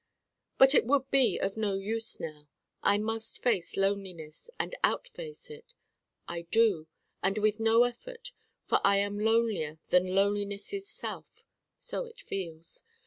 But it would be of no use now. I must face Loneliness: and outface it. I do, and with no effort: for I am Lonelier than Loneliness's self. So it feels.